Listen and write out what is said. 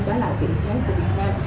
đó là vị thế của việt nam